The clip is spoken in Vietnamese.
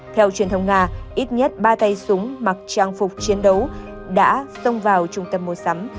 theo truyền thông nga ít nhất ba tay súng mặc trang phục chiến đấu đã xông vào trung tâm mua sắm